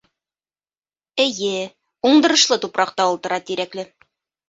Эйе-е... уңдырышлы тупраҡта ултыра Тирәкле.